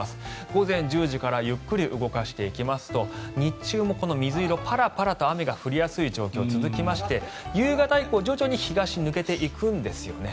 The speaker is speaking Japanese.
午前１０時からゆっくり動かしていきますと日中もこの水色、パラパラと雨が降りやすい状況が続きまして夕方以降徐々に東に抜けていくんですね。